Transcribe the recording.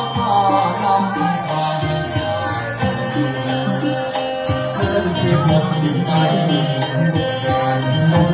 จะไปทอดที่ไหนนะ